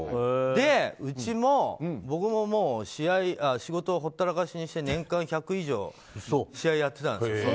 で、うちも仕事をほったらかしにして年間１００以上試合をやってたんですよ。